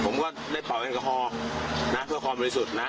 ผมก็ได้เป่าแอลกอฮอล์นะเพื่อความบริสุทธิ์นะ